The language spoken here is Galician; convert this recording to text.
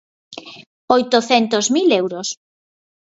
Oitocentos mil euros.